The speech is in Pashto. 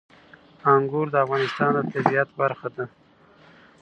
انګور د افغانستان د طبیعت برخه ده.